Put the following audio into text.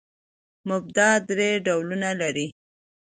مبتداء درې ډولونه لري.